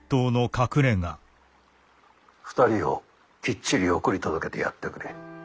２人をきっちり送り届けてやってくれ。